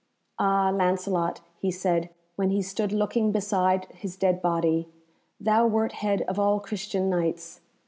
"Ah, Lancelot," he said, when he stood looking beside his dead body, "thou wert head of all Christian Knights.